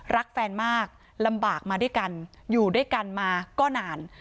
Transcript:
รักแฟนมากลำบากมาด้วยกันอยู่ด้วยกันมาก็นาน